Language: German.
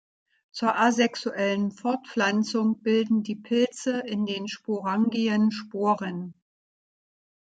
Zur asexuellen Fortpflanzung bilden die Pilze in den Sporangien Sporen.